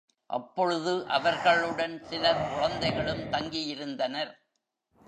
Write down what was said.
அப்பொழுது அவர்களுடன் சில குழந்தைகளும் தங்கியிருந்தனர்.